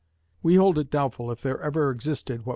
We hold it doubtful if there ever existed what M.